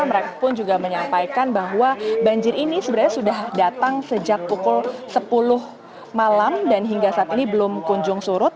mereka pun juga menyampaikan bahwa banjir ini sebenarnya sudah datang sejak pukul sepuluh malam dan hingga saat ini belum kunjung surut